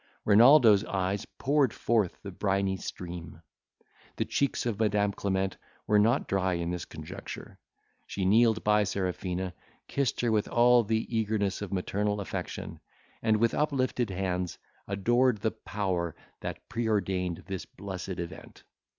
Renaldo's eyes poured forth the briny stream. The cheeks of Madam Clement were not dry in this conjuncture; she kneeled by Serafina, kissed her with all the eagerness of maternal affection, and with uplifted hands adored the Power that preordained this blessed event.